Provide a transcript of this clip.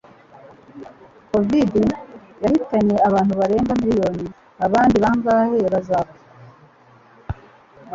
covid yahitanye abantu barenga miliyoni. Abandi bangahe bazapfa?